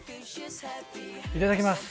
いただきます。